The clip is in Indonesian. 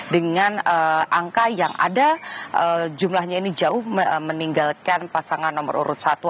dengan angka yang ada jumlahnya ini jauh meninggalkan pasangan nomor urut satu